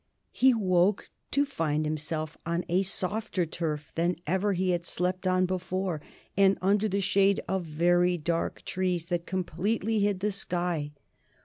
He woke to find himself on a softer turf than ever he had slept on before, and under the shade of very dark trees that completely hid the sky.